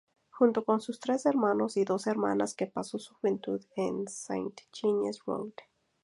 Junto con sus tres hermanos y dos hermanas que pasó su juventud en Sint-Genesius-Rode.